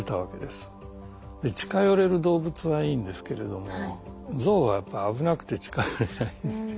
近寄れる動物はいいんですけれどもゾウはやっぱり危なくて近寄れない。